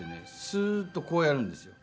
スーッとこうやるんですよ。